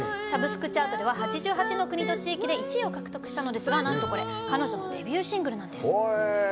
サブスクチャートでは８８の国と地域で１位を獲得したのですが彼女のデビューシングルなんです。